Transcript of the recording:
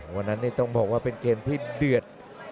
วันนั้นต้องบอกว่าเป็นเกมที่เดือด